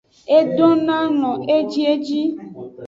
E donoalon ejieji.